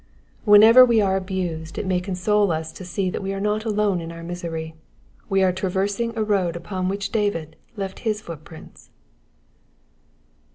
Whenever we are abused it may console us to see that we are not alone in our misery : we are traversing a road upon which David left his footprints.